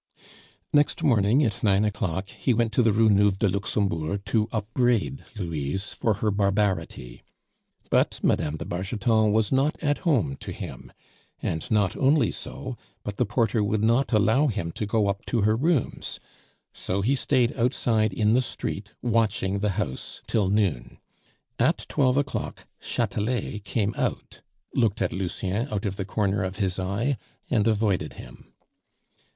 Next morning, at nine o'clock, he went to the Rue Neuve de Luxembourg to upbraid Louise for her barbarity. But Mme. de Bargeton was not at home to him, and not only so, but the porter would not allow him to go up to her rooms; so he stayed outside in the street, watching the house till noon. At twelve o'clock Chatelet came out, looked at Lucien out of the corner of his eye, and avoided him.